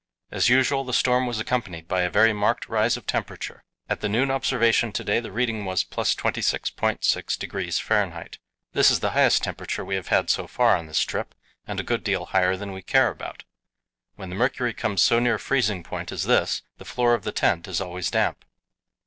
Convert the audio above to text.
As usual, the storm was accompanied by a very marked rise of temperature. At the noon observation to day the reading was + 26.6° F. This is the highest temperature we have had so far on this trip, and a good deal higher than we care about. When the mercury comes so near freezing point as this, the floor of the tent is always damp.